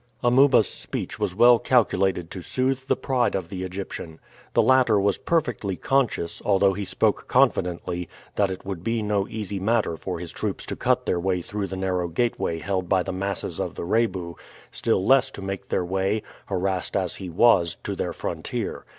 Amuba's speech was well calculated to soothe the pride of the Egyptian. The latter was perfectly conscious, although he spoke confidently, that it would be no easy matter for his troops to cut their way through the narrow gateway held by the masses of the Rebu, still less to make their way, harassed as he was, to their frontier.